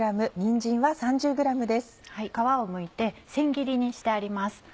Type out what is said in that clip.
皮をむいてせん切りにしてあります。